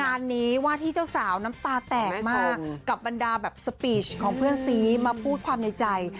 งานนี้ว่าที่เจ้าสาวน้ำตาแตกมากกับบรรดาแบบสปีชของเพื่อนซีมาพูดความในใจ